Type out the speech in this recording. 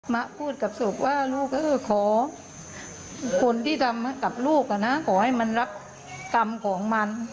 ท่านผู้ชมขอคนที่ทำกับลูกนะครับขอให้มันรับกรรมของมัน